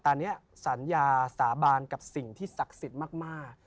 ตอนนี้สัญญาสาบานกับสิ่งที่ศักดิ์สิทธิ์มาก